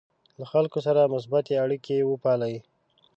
له خلکو سره مثبتې اړیکې وپالئ.